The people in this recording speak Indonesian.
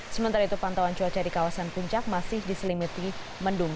sementara itu pantauan cuaca di kawasan puncak masih diselimuti mendung